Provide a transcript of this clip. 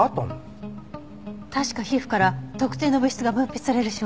確か皮膚から特定の物質が分泌される症例。